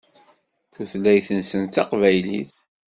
Tutlayt-nsen d taqbaylit.